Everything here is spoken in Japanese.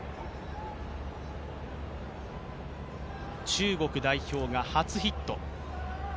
中国代表が初ヒット。